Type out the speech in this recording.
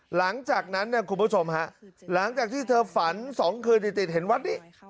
หลังจากนั้นเนี่ยคุณผู้ชมฮะหลังจากที่เธอฝัน๒คืนติดเห็นวัดนี้